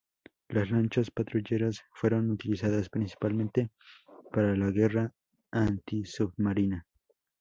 Las lanchas patrulleras fueron utilizadas principalmente para la guerra antisubmarina.